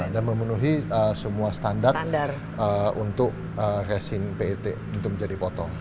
dan memenuhi semua standar untuk resin pet untuk menjadi botol